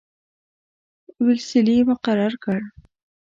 ویلسلي مقرر کړ.